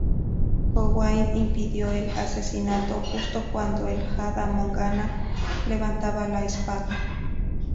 Owain impidió el asesinato justo cuando el Hada Morgana levantaba la espada.